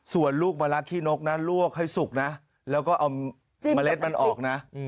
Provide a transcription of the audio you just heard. ส่วนลูกมะลักขี้นกนะลวกให้สุกนะแล้วก็เอาเมล็ดมันออกนะ